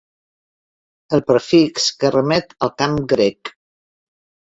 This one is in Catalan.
El prefix que remet al camp grec.